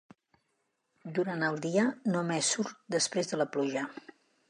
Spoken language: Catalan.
Durant el dia, només surt després de la pluja.